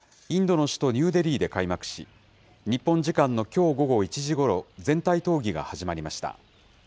Ｇ２０の外相会合は昨夜、インドの首都ニューデリーで開幕し、日本時間のきょう午後１時ごろ、全体討議が始まりました。